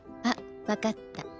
あっ分かった。